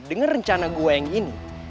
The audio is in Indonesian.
dengan rencana gue yang ini